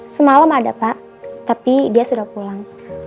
semalam ada pak tapi dia sudah pulang